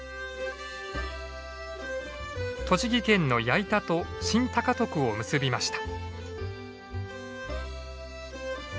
栃木県の矢板と新高徳を結びました。